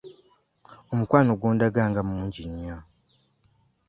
Omukwano gw'ondaga nga mungi nnyo.